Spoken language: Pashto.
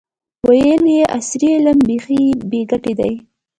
ویل یې عصري علم بیخي بې ګټې دی.